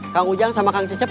orang juga bisa keto